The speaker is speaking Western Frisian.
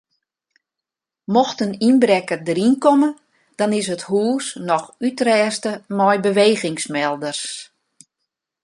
Mocht in ynbrekker deryn komme dan is it hûs noch útrêste mei bewegingsmelders.